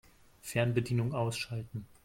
Fernbedienung ausschalten.